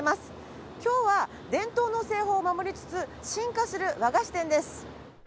今日は伝統の製法を守りつつ進化する和菓子店です。